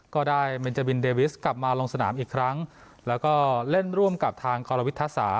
ก็ได้เมนจาบินเดวิสกลับมาลงสนามอีกครั้งแล้วก็เล่นร่วมกับทางกรวิทยาศา